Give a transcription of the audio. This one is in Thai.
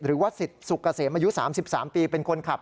หรือว่าสิทธิ์สุกเกษมอายุ๓๓ปีเป็นคนขับ